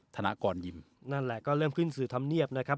ธนากรยิมนั่นแหละก็เริ่มขึ้นสื่อธรรมเนียบนะครับ